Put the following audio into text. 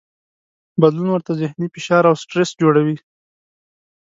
بدلون ورته ذهني فشار او سټرس جوړوي.